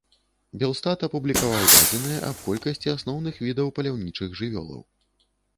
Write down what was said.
Белстат апублікаваў дадзеныя аб колькасці асноўных відаў паляўнічых жывёлаў.